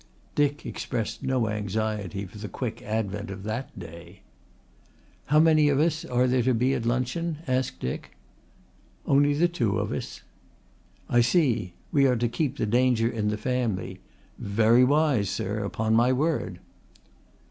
Dick expressed no anxiety for the quick advent of that day. "How many are there of us to be at luncheon?" asked Dick. "Only the two of us." "I see. We are to keep the danger in the family. Very wise, sir, upon my word."